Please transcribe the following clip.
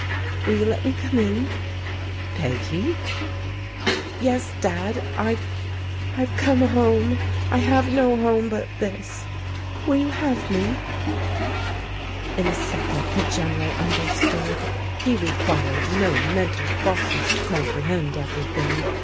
... Will yott let me come in?" ^ ''Peggy?" PEGGY'S BETRAYAL 325 " Yes, Da4 I've — ^I've come home. I have no home but this. Wai you have me ?" In a second the General understood. He required no mental process to comprehend everything.